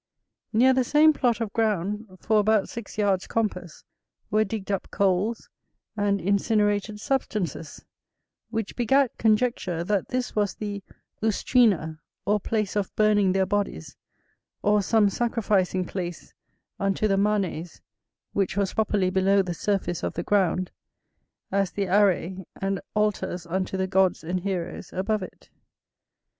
Near the same plot of ground, for about six yards compass, were digged up coals and incinerated substances, which begat conjecture that this was the ustrina or place of burning their bodies, or some sacrificing place unto the Manes, which was properly below the surface of the ground, as the aræ and altars unto the gods and heroes above it.